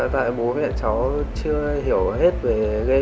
tại bố mẹ cháu chưa hiểu hết về